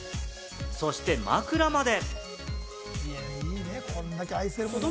そして枕まで！